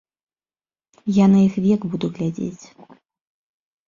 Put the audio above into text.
Я на іх век буду глядзець.